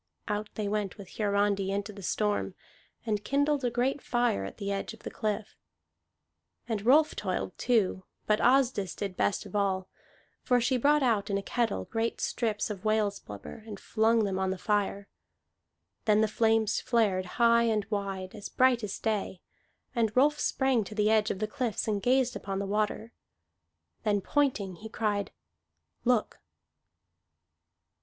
Out they went with Hiarandi into the storm, and kindled a great fire at the edge of the cliff. And Rolf toiled too; but Asdis did best of all, for she brought out in a kettle great strips of whale's blubber, and flung them on the fire. Then the flames flared high and wide, as bright as day. And Rolf sprang to the edge of the cliffs and gazed upon the water. Then, pointing, he cried, "Look!"